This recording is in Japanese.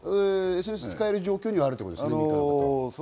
ＳＮＳを使える状況にあるということですね。